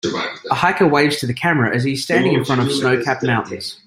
A hiker waves to the camera as he standing in front of snowcapped mountains.